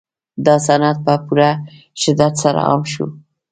دا صنعت په پوره شدت سره عام شو